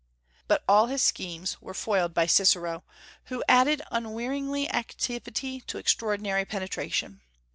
But all his schemes were foiled by Cicero, who added unwearied activity to extraordinary penetration.